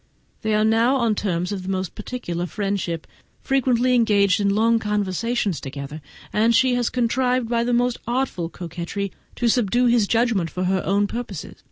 They are now on terms of the most particular friendship, frequently engaged in long conversations together; and she has contrived by the most artful coquetry to subdue his judgment to her own purposes.